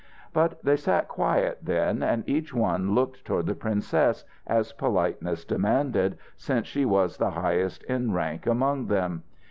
But they sat quiet then, and each one looked toward the princess, as politeness demanded, since she was the highest in rank among them.